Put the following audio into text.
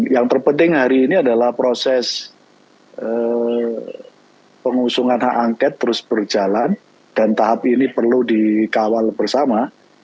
yang terpenting hari ini adalah proses pengusungan hak angket terus berjalan dan tahap ini perlu dikawal bersama